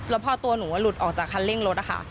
แล้วพอตัวหนูหลุดออกจากคันเร่งรถนะคะ